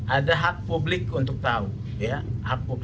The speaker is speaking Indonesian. ada hak publik untuk tahu ya